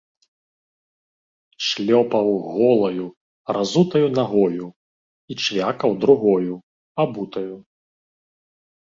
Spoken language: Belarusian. Шлёпаў голаю, разутаю нагою і чвякаў другою, абутаю.